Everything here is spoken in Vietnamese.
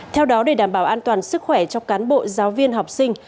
theo đó để đảm bảo an toàn sức khỏe cho cán bộ giáo viên học sinh